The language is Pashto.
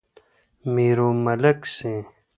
میرو ملک سي